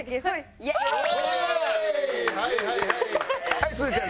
はいすずちゃん